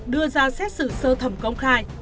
đưa ra xét xử sơ thẩm công khai